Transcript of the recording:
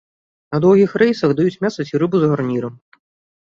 На доўгіх рэйсах даюць мяса ці рыбу з гарнірам.